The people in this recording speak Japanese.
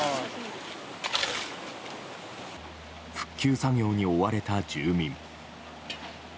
復旧作業に追われた住民。